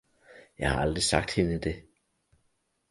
Jeg har aldrig sagt hende det!